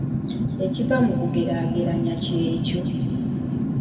Ekiva mu kugeraageranya kyekyo.